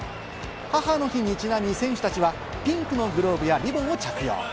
母の日にちなみ、選手たちはピンクのグローブやリボンを着用。